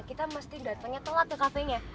kita mesti datangnya telat ke cafe nya